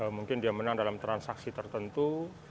mungkin dia menang dalam transaksi tertentu